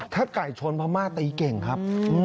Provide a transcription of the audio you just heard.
ถ้าไก่ชนพม่าตีเก่งครับ